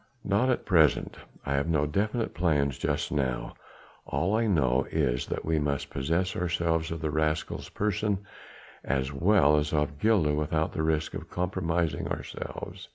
"Not at present; I have no definite plans just now. All I know is that we must possess ourselves of the rascal's person as well as of Gilda without the risk of compromising ourselves.